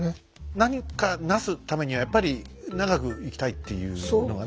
何か成すためにはやっぱり長く生きたいっていうのがね。